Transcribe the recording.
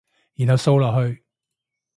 然後掃落去